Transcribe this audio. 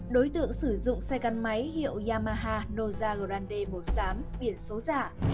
đối tượng sử dụng xe gắn máy hiệu yamaha noza grande màu xám biển số giả